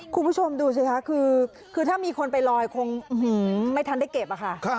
คุณผู้ชมดูสิคะคือถ้ามีคนไปลอยคงไม่ทันได้เก็บอะค่ะ